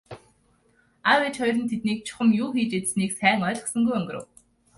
Аав ээж хоёр нь тэднийг чухам юу хийж идсэнийг сайн ойлгосонгүй өнгөрөв.